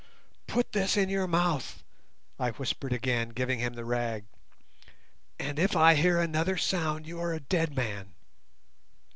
"Put this in your mouth," I whispered again, giving him the rag; "and if I hear another sound you are a dead man."